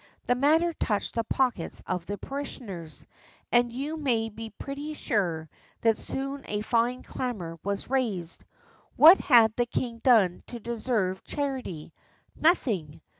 The matter touched the pockets of the parishioners, and you may be pretty sure that soon a fine clamour was raised. What had the king done to deserve charity? Nothing.